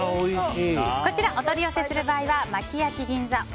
こちらお取り寄せする場合は薪焼銀座